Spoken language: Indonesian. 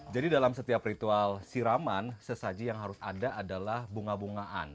jadi dalam setiap ritual siraman sesaji yang harus ada adalah bunga bungaan